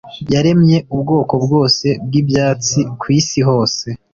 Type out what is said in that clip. yaremye ubwoko bwose bw’ibyatsi ku isi hose